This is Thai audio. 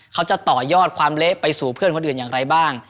เขาจะต่อยอดความเละไปสู่เพื่อนคนอื่นอย่างไรบ้าง